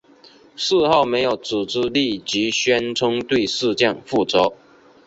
事后没有组织立即宣称对事件负责。